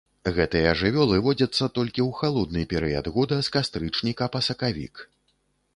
Гэтыя жывёлы водзяцца толькі ў халодны перыяд года з кастрычніка па сакавік.